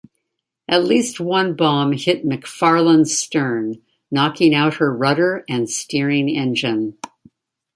At least one bomb hit "McFarland"s stern, knocking out her rudder and steering engine.